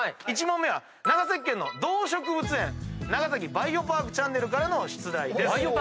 １問目は長崎県の動植物園『長崎バイオパーク』チャンネルからの出題です。